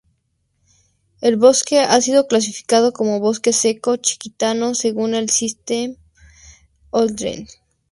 El bosque ha sido clasificado como bosque seco chiquitano según el sistema Holdridge.